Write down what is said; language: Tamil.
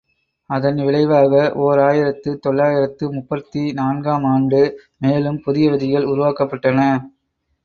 அதன் விளைவாக ஓர் ஆயிரத்து தொள்ளாயிரத்து முப்பத்து நான்கு ஆம் ஆண்டு, மேலும் புதிய விதிகள் உருவாக்கப்பட்டன.